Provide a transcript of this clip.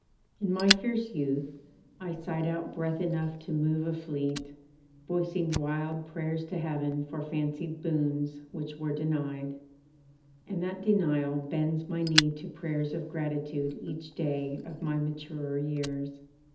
In my fierce youth I sighed out breath enough to move a fleet Voicing wild prayers to heaven for fancied boons Which were denied; and that denial bends My knee to prayers of gratitude each day Of my maturer years.